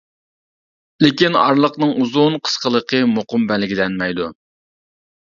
لېكىن ئارىلىقنىڭ ئۇزۇن قىسقىلىقى مۇقىم بەلگىلەنمەيدۇ.